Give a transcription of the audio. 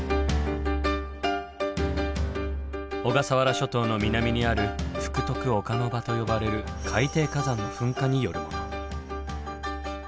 小笠原諸島の南にある福徳岡ノ場と呼ばれる海底火山の噴火によるもの。